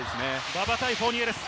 馬場対フォーニエです。